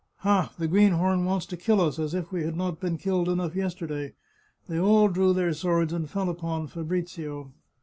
" Ha ! the greenhorn wants to kill us, as if we had not been killed enough yesterday !" They all drew their swords, and fell upon Fabrizio.